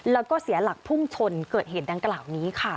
แล้วก็เสียหลักพุ่งชนเกิดเหตุดังกล่าวนี้ค่ะ